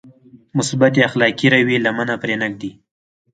مثبتې اخلاقي رويې لمنه پرې نهږدي.